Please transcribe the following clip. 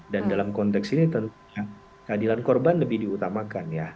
dan dalam konteks ini tentunya keadilan korban lebih diutamakan ya